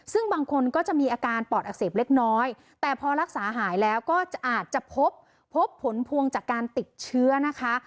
ซึ่งบางคนก็จะมีอาการปอดอักเสบเล็กน้อยแต่พอรักษาหายแล้วก็อาจจะพบพบผลพวงจากการติดเชื้อนะคะ